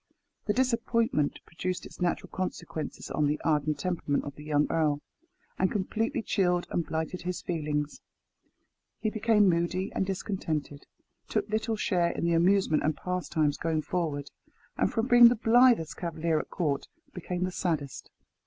The disappointment produced its natural consequences on the ardent temperament of the young earl, and completely chilled and blighted his feelings. He became moody and discontented; took little share in the amusement and pastimes going forward; and from being the blithest cavalier at court, became the saddest.